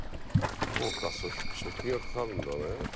修Δ食費がかかるんだね。